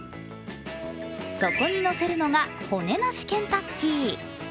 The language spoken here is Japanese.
そこにのせるのが骨なしケンタッキー。